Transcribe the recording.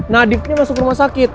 nadibnya masuk ke rumah sakit